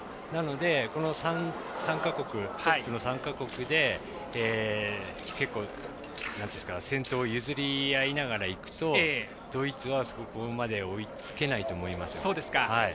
なので、トップの３か国で結構、先頭を譲り合いながらいくと、ドイツはそこまで追いつけないと思います。